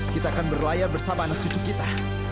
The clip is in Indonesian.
kita akan berlayar bersama anak cucu kita